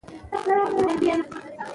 افغانستان د کلي لپاره مشهور دی.